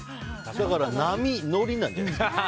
だから波、乗りなんじゃないんですか。